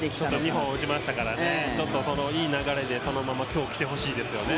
２本打ちましたからねそのいい流れで今日きてほしいですよね。